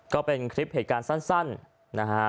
ก็เป็นคลิปเหตุการณ์สั้นนะฮะ